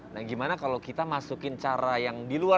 nah gimana kalau kita masukin cara yang di luar